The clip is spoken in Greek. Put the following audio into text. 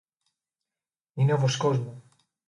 Είναι ο βοσκός μου.